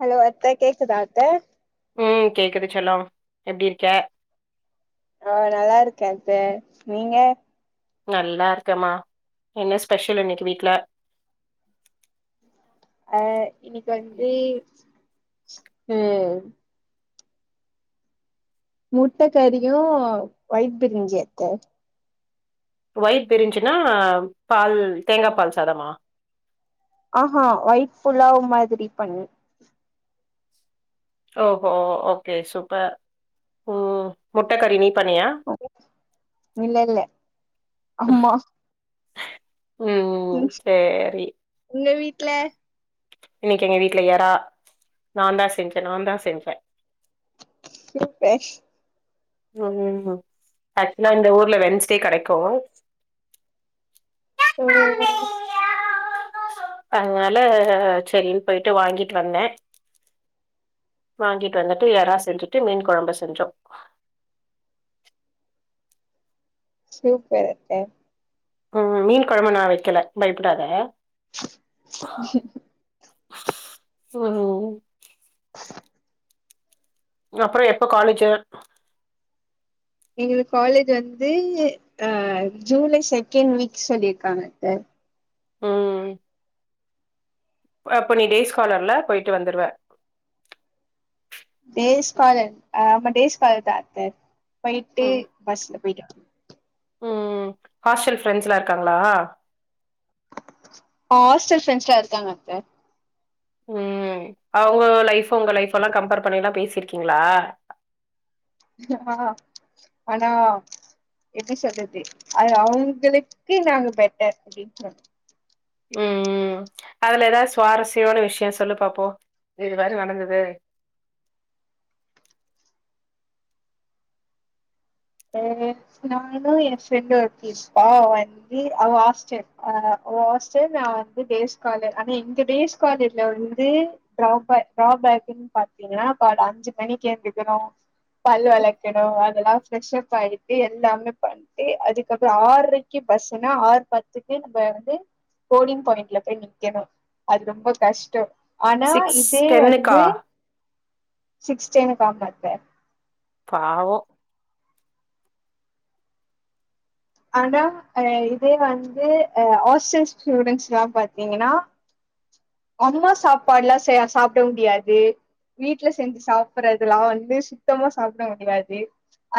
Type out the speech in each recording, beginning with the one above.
Hello அத்த கேக்குதா அத்த ம் கேக்குது செல்லொ எப்டி இருக்க ஆ நல்லா இருக்கே அத்த நீங்க நல்லா இருக்கமா என்ன ஸ்பெஷல் இன்னைக்கி வீட்ல ஆ இன்னைக்கி வந்து ம் முட்ட கறியு ஓயிட் பிரிஞ்சி அத்த ஒயிட் பிரிஞ்சுன்னா பால் தேங்கா பால் சாதமா ஆஹ ஒயிட் புலாவ் மாரி பண்ணி ஓஹோ ஓகே சூப்பர் ம் முட்ட கறி நீ பண்ணியா இல்ல இல்ல அம்மா ம் ம் ம் சேரி உங்க வீட்ல இன்னைக்கி எங்க வீட்ல எறா நா தா செஞ்ச நா தா செஞ்ச டூத்பேஷ் ஆமா ஆமா ஆக்சுவலா இந்த ஊர்ல வென்ஸ்டே கெடைக்கு ஓ அதனால செரின்னு போய்ட்டு வாங்கிட்டு வந்த வாங்கிட்டு வந்துட்டு எறா செஞ்சுட்டு மீன் குழம்பு செஞ்ஜோ சூப்பரு அக்கா ம் மீன் குழம்பு நா வைக்கல பயப்டாத ம் அப்றோ எப்ப காலேஜு எங்ளுக்கு காலேஜூ வந்து அ ஜூலை செகண்ட் வீக் சொல்லிருக்காங்க அத்த ம் அப்ப நீ டேஸ் காலர்ல போய்ட்டு வந்துருவ டேஸ் காலர் ஆமா டேஸ் காலர் தா அத்த போய்ட்டு ம் பஸ்ல போய்ட்டு ம் ஹாஸ்டல் ஃப்ரெண்ட்ஸ்ல்லா இருக்காங்ளா ஆ ஹாஸ்டல்ஃப்ரெண்ட்ஸ்ல இருக்காங்க அத்த ம் அவுங்க லைஃபு உங்க லைஃபு எல்லா கம்பேர் பண்ணில்லா பேசிருக்கீங்ளா ஆ ஆனா எப்டி சொல்றது அது அவுங்களுக்கு நாங்க பெட்டர் அப்டின்னு சொல் ம் அதுல எதாவது சுவாரஸ்யமான விஷ்யோ சொல்லு பாப்போ இது மாரி நடந்துது ஏ நானு எ ஃப்ரெண்ட் ஒருத்தி இருப்பா அவ அவ ஹாஸ்டல் அ ஹாஸ்டல் நா வந்து டேஸ் காலர் ஆனா எங்க டேஸ் காலேஜ்ல வந்து ட்ராபேக் ட்ராபேக்ன்னு பாத்திங்ன்னா கால்ல அஞ்சு மணிக்கு ஏந்திக்கனு பல் வெளக்கணு அதெல்லா ஃப்ரெஷ்ப் ஆகிட்டு எல்லாமே பண் சிட்டு அதுக்கப்றோ ஆர்ரைக்கு பஸ்ஸுன்னா ஆறு பத்துக்கு நம்ம வந்து போடிங் பாய்ன்ட்ல போய் நிக்கணு அது ரொம்ப கஷ்டோ ஆனா சிக்ஸ் இதே டென்னுக்கா வந்து சிக்ஸ்டேன்னுு கா மாத்த பாவோ ஆனா இதே வந்து ஹாஸ்டல் ஸ்டூடென்ட்ஸ்ல்லா பாத்திங்ன்னா அம்மா சாப்பாட்ல்லா செய் சாப்ட முடியாது வீட்ல செஞ்சு சாப்புட்றதுல்லா வந்து சுத்தமா சாப்ட முடியாது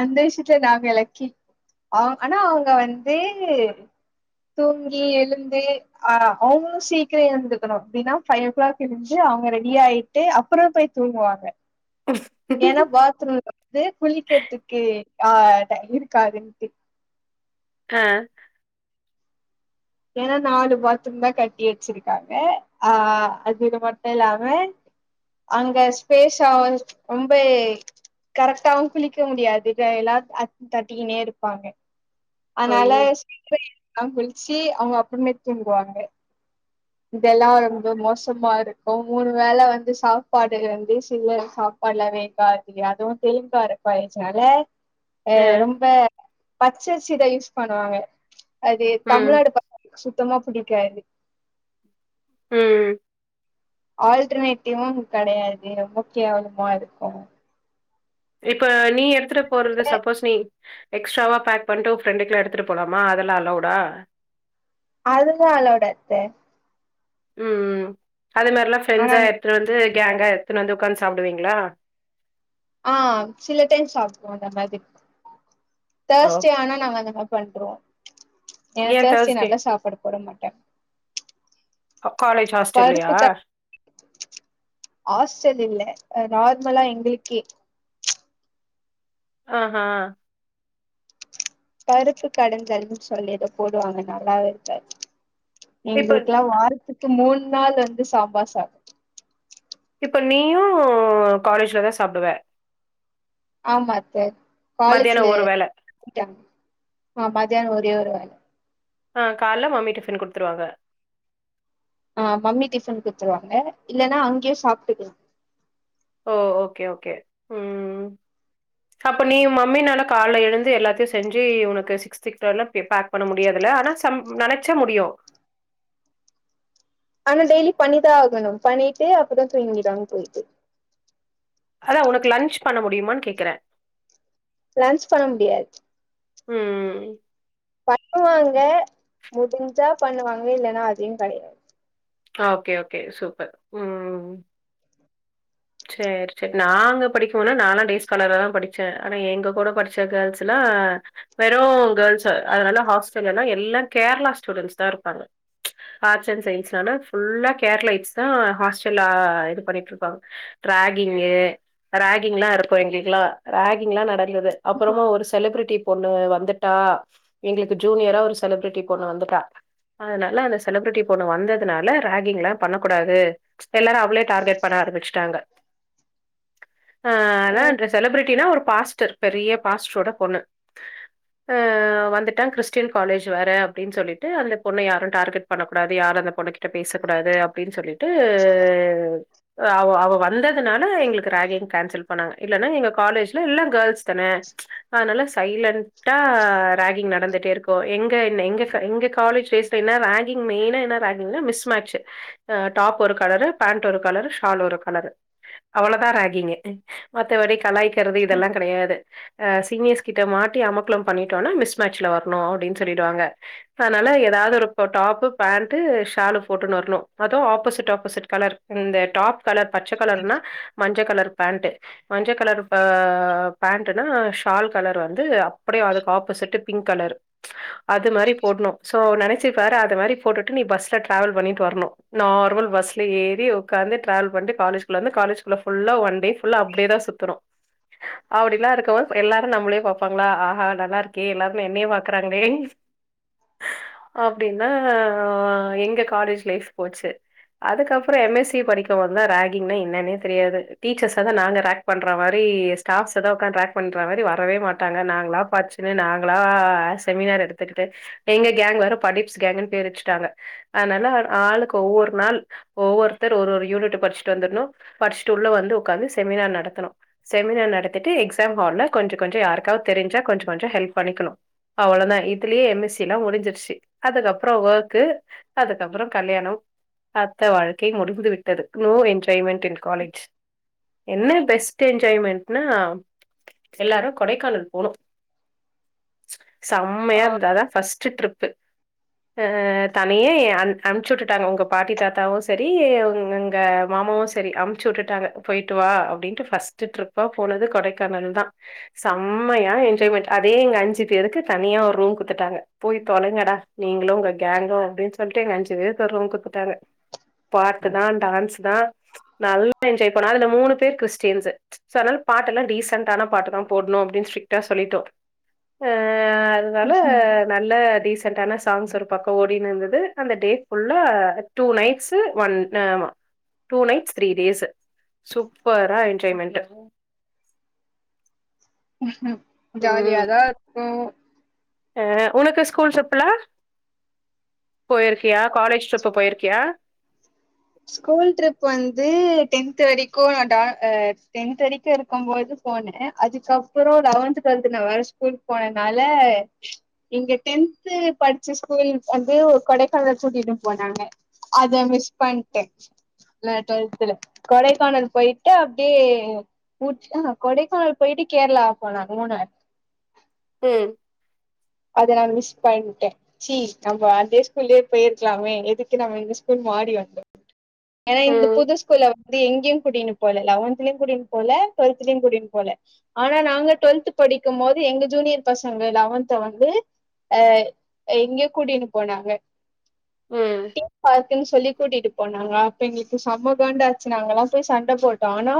அந்த விஷயத்ல நாங்க லக்கி அவு ஆனா அவுங்க வந்து தூங்கி எழுந்து அ அவுங்களு சீக்கரோ எழுந்திருக்கணு எப்டின்னா ஃபைவ் ஓ கிளாக் எழுஞ்ஜி அவுங்க ரெடி ஆயிட்டு அப்ரோ போய் தூங்குவாங்க ஏனா பாத்ரூம்ல வந்து குளிக்கற்துக்கு ஆ டை இருக்காதுன்ட்டு அ ஏனா நாலு பாத்ரூம்தா கட்டி வச்சிருக்காங்க ஆ அதுக மட்டு இல்லாம அங்க ஸ்பேஸ்ஸா ரொம்ப கரெக்டாவு குளிக்க முடியாது இத எல்லா அ தட்டிகினே இருப்பாங்க அதனால ஐயோ சீக்ரோ எழுந்து தா குளிச்சு அவுங்க அப்ரமேட் தூங்குவாங்க இதெல்லா ரொம்ப மோசமா இருக்கு மூணு வேல வந்து சாப்பாடு வந்து சீக்கரோ சாப் பாட்லா வேகாது அதுவு [unintelligible] அ ஆ ரொம்ப பச்சரிசி தா யூஸ் பண்ணுவாங்க அது ம் தமிழ்நாடு பசங்ளுக்கு சுத்தமா புடிக்காது ம் ஆல்டர்னேட்டிவு அங் கடையாது ரொம்ப கேவலமா இருக்கு இப்ப நீ எடுத்துட்டு போறது சப்போஸ் நீ எக்ஸ்ட்ராவா பேக் பண்ட்டு ஒ ஃப்ரெண்டுக்குல்லா எடுத்துட்டு போலாம அதலா அலௌடா அதுலா அலௌவுடு அத்த ம் அது மாரிலா ஆனா ஃப்ரெண்ட்ஸா எடுத்துனு வந்து கேங்கா எடுத்துன்னு வந்து ஒக்காந்து சாப்டுவீங்களா ஆ சில டைம் சாப்டுவோ அந்த மாதிரி ஆ. தேர்ஸ்டே ஆனா நாங்க அந்த மாரி பண்றுவோ ஏ தேர்ஸ்டே நல்லா சாப்பாடு போட மாட் அ காலேஜ் ஹாஸ்டல்லயா? பருப்பு த ஹாஸ்ட்டல் இல்ல அ நார்மலா எங்களுக்கே ஆஹா பருப்பு கடைஞ்சல்ன்னு சொல்லி எதோ போடுவாங்க நல்லாவே இருக்காது இப்ப எங்களுக்குல்லா வாரத்துக்கு மூண் நாள் வந்து சாம்பார் சா இப்ப நீயு‌ காலேஜ்லதா சாப்டுவ ஆமா அத்த காலேஜ்ல மத்தியானம் ஒரு வேள. [inaudible] ட்டாங்க ஆ மதியானோ ஒரே ஒரு வேல ஆ கால்ல மம்மி டிஃபன் குடுத்துருவாங்க ஆ மம்மி டிஃபன் குத்துருவாங்க இல்லனா அங்கயே சாப்ட்டுக்லா ஓ ஓகே ஓகே ம் அப்ப நீ ஒ மம்மினால கால்ல எழுந்து எல்லாத்தையு செஞ்சு உனக்கு சிக்றோளா பே பேக் பண்ண முடியாதுல ஆனா சம் நனச்சா முடியு ஆனா டெய்லி பண்ணிதா ஆகணு பண்ணிட்டு அப்புறோ தூங்கிடுவாங் போயிட்டு அதா உனக்கு லன்ச் பண்ண முடியுமான் கேக்கற லன்ச் பண்ண முடியாது ம் ம் பண்ணுவாங்க முடிஞ்சா பண்ணுவாங்க இல்லனா அதையு கடையாது ஓகே ஓகே சூப்பர் ம் சேரி சேரி நாங்க படிக்கும் போதுலா நானாலா டேஸ்காலரா தா படிச்சே ஆனா எங்க கூட படிச்ச கேள்ஸ் எல்லா வெறு கேள்ஸு அதனால ஹாஸ்டல் எல்லா எல்லா கேரளா ஸ்டூடென்ட்ஸ் தா இருப்பாங்க ஆர்ட்ஸ் அண்ட் சயின்ஸ்ல்லா ஃபுல்லா கேரளைட்ஸ் தா ஹாஸ்டல்லா இது பண்ணிட்ருப்பாங் ராகிங்கு ராகிங்ல்லா இருக்கு எங்களுக்குல்லா ராகிங்ல்லா நடந்துது அப்புறமா ஒரு செலபிரிட்டி பொண்ணு வந்துட்டா எங்களுக்கு ஜூனியரா ஒரு செலிபிரிட்டி பொண்ணு வந்துட்டா அதுனால அந்த செலிபிரிட்டி பொண்ணு வந்ததுனால ராகிங் எல்லாம் பண்ணக்கூடாது எல்லாரு அவ்ளே டார்கெட் பண்ண ஆரம்பிச்சுட்டாங்க ஆ ஆனா ஓ அந்த செலிப்ரிட்டினா ஒரு பாஸ்டர் பெரிய பாஸ்டரோட பொண்ணு ஆ வந்துட்டான் கிறிஸ்டியன் காலேஜ் வேர அப்டின்னு சொல்லிட்டு அந்த பொண்ண யாரு டார்கெட் பண்ணக்கூடாது யாரு அந்த பொண்ண கிட்ட பேசக்கூடாது அப்டின்னு சொல்லிட்டு ஆ ஆவோ ஆவோ இப்ப வந்ததுனால எங்களுக்கு ராகிங் கேன்சல் பண்ணாங்க இல்லேன்னா எங்க காலேஜ்ல எல்லா கேர்ள்ஸ் தானே அதுனால சைலன்ட்டா ராகிங் நடந்துட்டே இருக்கு எங்க என் எங்க எங்க காலேஜ் டேஸ் ப்ப என்ன ரேங்கி மெயினா என்ன ராகிங்னா மிஸ் மேச்சு அ டாப் ஒரு கலரு பேண்ட் ஒரு கலரு ஷால் ஒரு கலரு அவ்ளோ தா ராகிங்கு மத்தபடி கலாய்க்கிறது இதெல்லா கெடையாது ஆ சிங்கிர்ஸ் கிட்ட மாட்டி அமக்கலோ பண்ணிட்டோன்னா மிஸ் மேட்சல வர்ணு அப்டின்னு சொல்லிடுவாங்க அதுனால எதாவது ஒரு டாப்பு பேண்ட்டு ஷாலு போட்டுன்னு வரணு அதுவு ஆப்போசிட் ஆப்போசிட் கலர் இந்த டாப் கலர் பச்ச கலருனா மஞ்ச கலர் பேண்ட்டு மஞ்ச கலர் ப பேண்ட்டுனா ஷால் கலர் வந்து அப்புடியே அதுக்கு ஆப்போசிட்டு பிங்க் கலர் அது மாரி போட்ணு சோ நெனச்சுப்பாரு அது மாரி போட்டுட்டு நீ பஸ்ல ட்ராவல் பண்ணிட்டு வர்ணு நார்மல் பஸ்ல ஏறி உக்காந்துட் ட்ராவல் பண்ட்டு காலேஜ் குள்ள இருந்து காலேஜ் குள்ள ஃபுல்லா ஒன் ஒன் டே ஃபுல்லா அப்டியே தா சுத்தனு அப்டிலா இருக்கம்போது எல்லாரு நம்மளே பாப்பாங்களா ஆ ஹா நல்லா இருக்கே எல்லாருமே என்னையே பாக்குறாங்களே அப்டின்னா வ எங்க காலேஜ் லைஃப் போச்சு அதுக்கப்பறோ எம் எஸ் சி படிக்க துவந்துதா ராகிங்னா என்னனே தெரியாது டீச்சர்ஸ்ஸ வந்து நாங்க ரேக் பண்ற மாரி ஸ்டாப்ஸ்சதா உக்கான்ட் ரேக் பண்ற மாரி வரவே மாட்டாங்க நாங்களா படுச்சுகின்னு நாங்களா செமினார் எடுத்துக்கிட்டு எங்க கேங் வேற படிப்ஸ் கேங்க்ன்னு பேர் வச்சுட்டாங்க அதுனால ஆளுக்கு ஒவ்வொரு நாள் ஒவ்வொருத்தர் ஒரு ஒரு யூனிட்டு படிச்சுட்டு வந்துர்னு படிச்சுட்டு உள்ள வந்து உக்காந்து செமினார் நடத்தணு செமினார் நடத்திட்டு எக்ஸாம் ஹால்ல கொஞ்ச கொஞ்சோ யாருக்காவது தெரிஞ்சா கொஞ்சோ கொஞ்சோ ஹெல்ப் பண்ணிக்கணு அவ்ளோவுதா இதுலயே எம் எஸ் சி எல்லா முடிஞ்சிருச்சு அதுக்கப்பறோ வொர்க்கு அதுக்கப்பறோ கல்யாணோ அத்த வாழ்க்கையையும் முடிந்து விட் டது நோ என்ஜாய்மென்ட் இன் காலேஜ் என்ன பெஸ்ட் என்ஜாய்மெண்ட் டுனா எல்லாரு கொடைக்கானல் போனோ செம்மையா ஆ இருந்தது அதா ஃபஸ்ட்டு ட்ரிப்பு அ தனியே எ அம் அம்ப்பிச்சு விட்டுட்டாங்க உங்க பாட்டி தாத்தாவு செரி உங் உங்க மாமாவும் செரி அமுச்சு விட்டுட்டாங்க பொயிட்டு வா அப்டின்ட்டு ஃபர்ஸ்ட்டு ட்ரிப்பா போனது கொடைக்கானல் தா செம்மையா என்ஜாய்மெண்ட் அதே இங்க அஞ்சு பேருக்கு தனியா ஒரு ரூம் குடுத்துட்டாங்க போய் தொலைங்கடா நீங்களு உங்க கேங்கும் அப்டின்னு சொல்ட்டு எங்க அஞ்சு பேர்க்கு ஒரு ரூம் குடுத்துட்டாங்க பாட்டு தா டான்ஸ் தா நல்லா என்ஜாய் பண்ணோ அதுல மூணு பேர் கிறிஸ்டின்ஸ்ஸு சோ அதுனால பாட்டெல்லா டீசண்ட்டான பாட்டு தா போட்ணு அப்டின்னு ஸ்டரிக்டா சொல்லிட்டோ அ அது னால ம் நல்ல டீசன்டான சாங்ஸ் ஒரு பக்கோ ஓடிட்னுருந்தது அந்த டே ஃபுல்லா டூ நைட்ஸ் ஒன் னமோ டூ நைட்ஸ் த்ரீ டேஸு சூப்பரா என்ஜாய்மெண்ட்டு ஜாலியாதா இருக்கு அ உனக்கு ஸ்கூல் ட்ரிப்லா போயிருக்கியா காலேஜ் ட்ரிப்பு போயிருக்கியா ஸ்கூல் ட்ரிப் வந்து டென்த் வரைக்கு நா டா அ டென்த் வரைக்கு இருக்கும் போது போனே அதுக்கு அப்பறோ லெவன்த் டுவெல்த்து நா வேற ஸ்கூல்க்கு போனதுனால எங்க டென்து படுச்ச ஸ்கூல் வந்து கொடைக்கானல் கூட்டிட்டு போனாங்க அத மிஸ் பண்ட்டே இல்ல டுவெல்த்ல கொடைக்கானல் பொயிட்டு அப்டியே ஊட் அ ஆ கொடைக்கானல் போயிட்டு கேரளா போனாங்க மூணாற் ம் அத நா மிஸ் பண்ட்டே சீ நம்ம அதே ஸ்கூல்லயே போயிருக்லாமே எதுக்கு நம்ம இந்த ஸ்கூல் மாரி வந்தொ ஏன்னா இந்த ம் புது ஸ்கூல்ல வந்து எங்கயு கூட்டின்னு போல லவன்தலய் கூட்டின்னு போல டுவெல்த்லயு கூடின்னு போல ஆனா நாங்க டொவெல்த் படிக்கும் போது எங்க ஜூனியர் பசங்க லவன்த் த்த வந்து அ எங்க கூட்டினு போனாங்க ம் தீம் பார்க் ன்னு சொல்லி கூட்டிட்டு போனாங்க அப்ப எங்ளுக்கு செம்ம காண்டாச்சு நாங்கல்லா போய் சண்ட போட்டோ ஆனா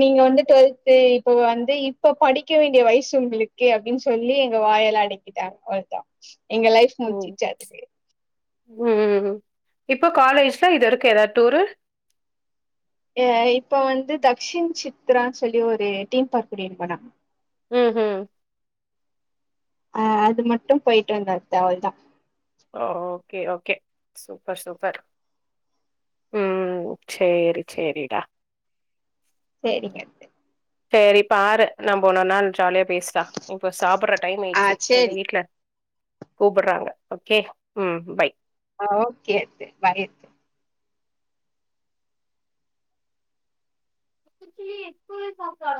நீங்க வந்து டொல்த்து இப்ப வந்து இப்ப படிக்க வேண்டிய வயசு உங்ளுக்கு அப்டின்னு சொல்லி எங்க வாயல்லா அடக்கிட்டாங்க ஒருத்த எங்க லைஃப் முட்ச்சுச்சு அதுவே ம் ம் ம் ம் இப்போ காலேஜ்ல இது வரக்கு எதாது டூரு அ இப்ப வந்து தக் ஷின் சித்ரான் சொல்லி ஒரு டீம் பார்க் கூட்டின் போனா ம் ம் அ அது மட்டு பொயிட்டு வந்தாது அவள தா ஓ ஓகே ஓகே சூப்பர் சூப்பர் ம் சேரி சேரிடா சேரிங்கத்த சேரி பாரு நம்போ இன்னொர் நாள் ஜாலியா பேஸ்லா இப்ப சாப்புட்ற டைம் ஆ ஆய்ர்ச்சு எங்க சேரி வீட்ல கூப்புட்றாங்க ஓகே ம் பய் ஆ ஓகே அத்தெ பாய் அத்த புச்ச எஸள் சக்கல